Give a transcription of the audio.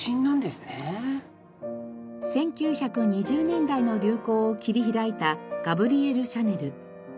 １９２０年代の流行を切り開いたガブリエル・シャネル。